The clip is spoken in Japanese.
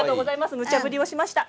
むちゃ振りしました。